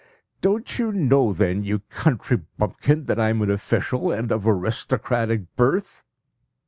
"Don't you know then, you country bumpkin, that I am an official and of aristocratic birth?"